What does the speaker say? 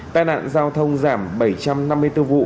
tai nạn giao thông giảm bảy trăm năm mươi bốn vụ